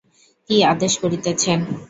কী আদেশ করিতেছেন?